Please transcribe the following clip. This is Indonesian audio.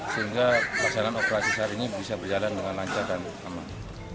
sehingga pelaksanaan operasi saat ini bisa berjalan dengan lancar dan aman